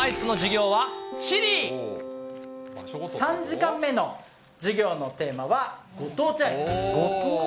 さあ、３時間目の授業のテーマは、ご当地アイス？